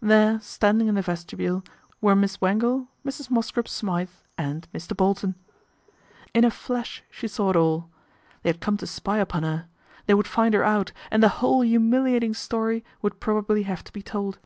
There, standing in the vestibule, were Miss Wangle, Mrs. Mosscrop Smythe, and Mr. Bolton. In a flash she saw it all. They had come to spy upon her. They would find her out, and the whole humiliating story would probably have to be told.